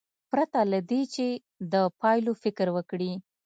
پرته له دې چې د پایلو فکر وکړي.